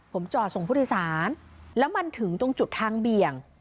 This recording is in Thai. ผมจอดส่งผู้โดยสารแล้วมันถึงตรงจุดทางเบี่ยง